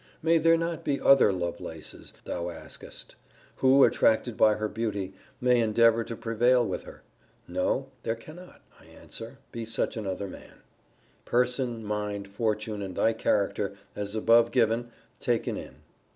May there not be other Lovelaces, thou askest, who, attracted by her beauty, may endeavour to prevail with her?* * See Letter XVIII. of this volume. No; there cannot, I answer, be such another man, person, mind, fortune, and thy character, as above given, taken in.